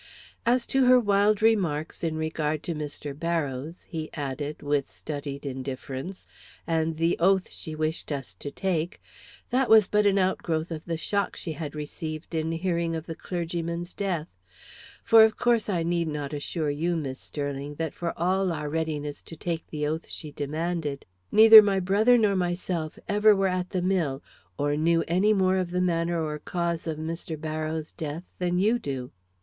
As to her wild remarks in regard to Mr. Barrows," he added, with studied indifference, "and the oath she wished us to take, that was but an outgrowth of the shock she had received in hearing of the clergyman's death. For, of course, I need not assure you, Miss Sterling, that for all our readiness to take the oath she demanded, neither my brother nor myself ever were at the mill, or knew any more of the manner or cause of Mr. Barrows' death than you do."